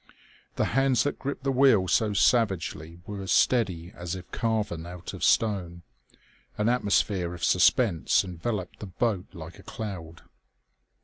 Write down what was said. The hands that gripped the wheel so savagely were as steady as if carven out of stone. An atmosphere of suspense enveloped the boat like a cloud.